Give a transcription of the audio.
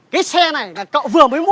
cái xe này là cậu vừa mới mua